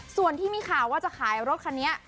ส่วนที่มีข่าวว่าจะขายรถคันนี้